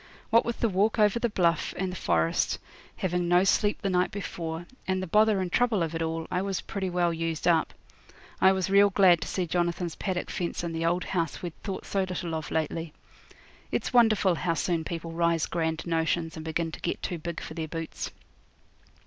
What with the walk over the bluff and the forest, having no sleep the night before, and the bother and trouble of it all, I was pretty well used up. I was real glad to see Jonathan's paddock fence and the old house we'd thought so little of lately. It's wonderful how soon people rise grand notions and begin to get too big for their boots.